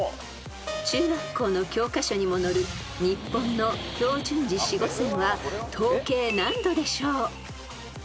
［中学校の教科書にも載る日本の標準時子午線は東経何度でしょう？］